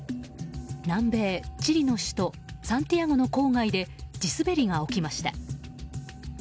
南米チリの首都サンティアゴの郊外で地滑りが起きました。